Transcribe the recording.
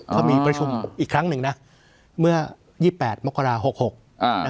อ๋อเพราะมีประชุมอีกครั้งหนึ่งนะเมื่อยี่แปดมกราหกหกอ่า